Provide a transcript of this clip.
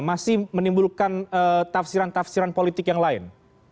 masih menimbulkan tafsiran tafsiran politik yang lain